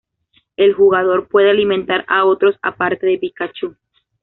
El jugador puede alimentar a otros aparte de Pikachu.